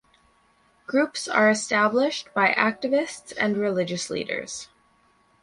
Groups are established by activists and religious leaders.